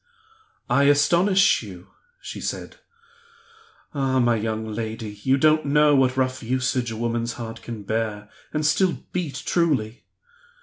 "I astonish you?" she said. "Ah, my young lady, you don't know what rough usage a woman's heart can bear, and still beat truly!